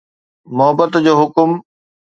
محبت جو حڪم